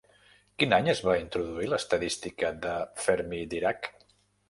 Quin any es va introduir l'estadística de Fermi-Dirac?